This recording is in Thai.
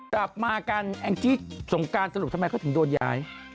กลับมากันแองจี้สงการสรุปทำไมเขาถึงโดนย้าย